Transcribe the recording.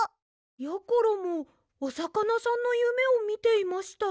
やころもおさかなさんのゆめをみていました。